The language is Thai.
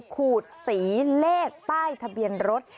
ขูดสีเลขป้ายทะเบียนรถ